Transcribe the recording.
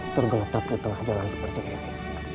tergeletak di tengah jalan seperti ini